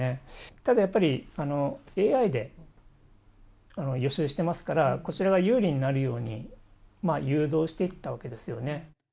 ただやっぱり、ＡＩで予習してますから、こちらが有利になるように誘導していったわけですよね。